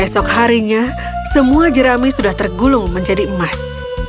esok harinya semua jerami sudah tergulung menjadi emas